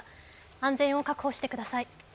安全を確保してください。